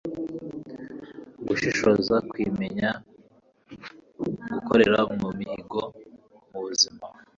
gushishoza, kwimenya, gukorera ku mihigo mu buzima